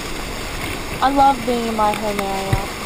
I loved being in my home area.